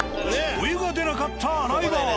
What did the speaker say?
お湯が出なかった洗い場は。